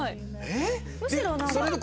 えっ！？